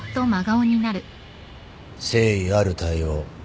誠意ある対応